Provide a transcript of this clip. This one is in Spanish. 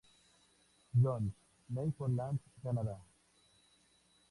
John's, Newfoundland, Canadá.